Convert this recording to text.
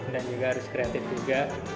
dan juga harus kreatif juga